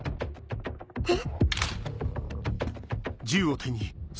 えっ？